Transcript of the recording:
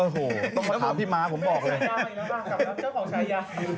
ต้องกล่าวพี่มาผมบอกเลย